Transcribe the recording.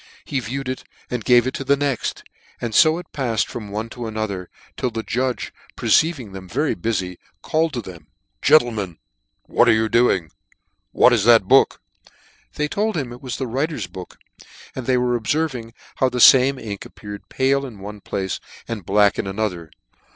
He V viewed it and gave it to the next, and fo it " pafled from one to another, 'till the judge " perceiving them very bufy, called to them, <(_ Gentlemen, what are you doing ? what <f book is that? They told him it was the writer's tf book, and they were obferving how the fame " ink appeared pale in one place, and black in " another.